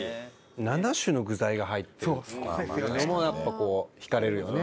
７種の具材が入ってるっていうのもやっぱ引かれるよね。